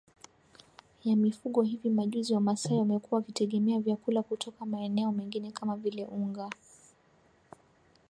ya mifugo Hivi majuzi Wamasai wamekuwa wakitegemea vyakula kutoka maeneo mengine kama vile unga